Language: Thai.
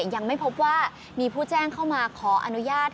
ยังไม่พบว่ามีผู้แจ้งเข้ามาขออนุญาต